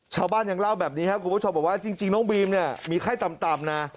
ชาวบ้านยังเล่าแบบนี้ครับคุณผู้ชมบอกว่าจริงน้องบีมเนี่ยมีไข้ต่ำนะ